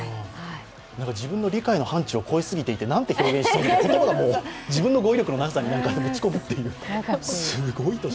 自分の理解の範ちゅうを超えすぎていてなんと表現していいか言葉が、自分の語彙力のなさに落ち込むというか。